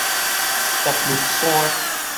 獨立山